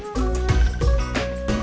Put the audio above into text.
ya kita minggu